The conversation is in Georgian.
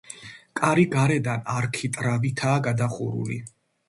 კარი გარედან არქიტრავითაა გადახურული.